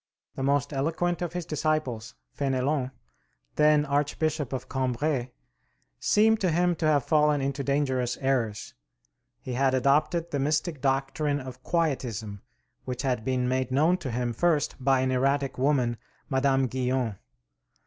The most eloquent of his disciples, Fénélon, then Archbishop of Cambrai, seemed to him to have fallen into dangerous errors. He had adopted the mystic doctrine of Quietism, which had been made known to him first by an erratic woman, Madame Guyon.